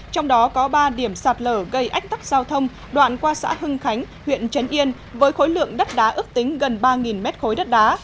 trong đó có ba điểm sạt lở gây ách tắc giao thông đoạn qua xã hưng khánh huyện trấn yên với khối lượng đất đá ước tính gần ba m ba đất đá